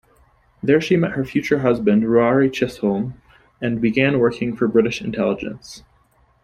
There she met her future husband, Ruari Chisholm, and began working for British Intelligence.